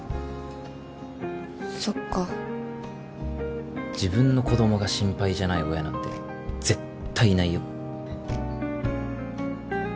そっか自分の子供が心配じゃない親なんて絶対いないよ